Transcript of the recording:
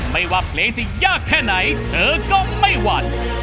ไม่ว่าเพลงจะยากแค่ไหนเธอก็ไม่หวั่น